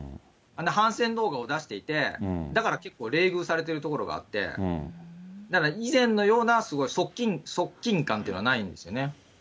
反戦動画を出していて、だから結構冷遇されているところがあって、以前のようなすごい側近感っていうのはないんですよね。